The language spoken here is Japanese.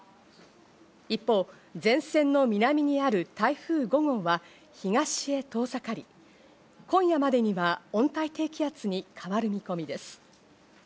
一方、前線の南にある台風５号は東へ遠ざかり、今夜までには温帯低気圧に変わる見込みです。